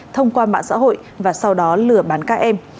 thông qua mạng xã hội và sau đó lừa bán các em